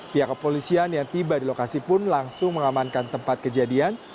pihak kepolisian yang tiba di lokasi pun langsung mengamankan tempat kejadian